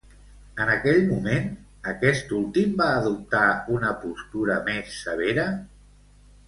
En aquell moment, aquest últim va adoptar una postura més severa?